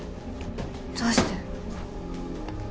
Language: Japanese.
どうして。